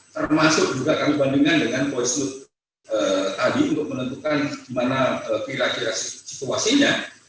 termasuk juga kami bandingkan dengan voice note tadi untuk menentukan gimana kira kira situasinya